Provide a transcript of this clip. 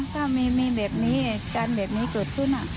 ถ้ามีแบบนี้การแบบนี้กดทุน